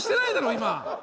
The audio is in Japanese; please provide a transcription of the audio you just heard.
今。